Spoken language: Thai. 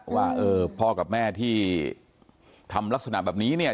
ว่าเออพ่อกับแม่ที่ทำลักษณะแบบนี้เนี่ย